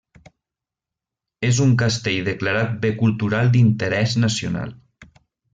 És un castell declarat bé cultural d'interès nacional.